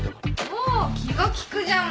おお気が利くじゃん